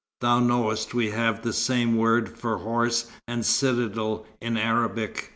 "Thou knowest we have the same word for horse and citadel in Arabic?